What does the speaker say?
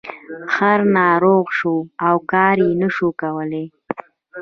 خر ناروغ شو او کار یې نشو کولی.